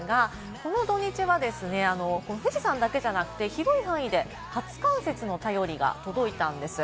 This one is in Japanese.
この土日は富士山だけじゃなくて、広い範囲で初冠雪の便りが届いたんです。